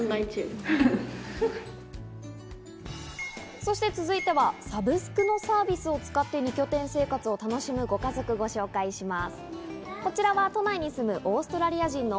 そして続いてはサブスクのサービスを使って二拠点生活を楽しむご家族をご紹介します。